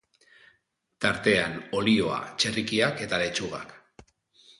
Tartean, olioa, txerrikiak eta letxugak.